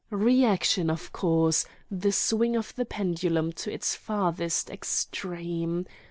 Reaction, of course: the swing of the pendulum to its farthest extreme.